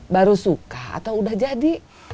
baru suka atau udah jadi